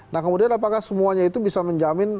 nah kemudian apakah semuanya itu bisa menjamin